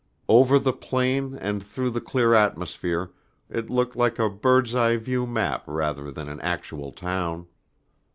Over the plain and through the clear atmosphere it looked like a bird's eye view map rather than an actual town.